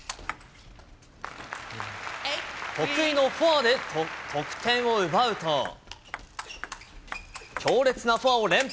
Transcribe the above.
得意のフォアで得点を奪うと、強烈なフォアを連発。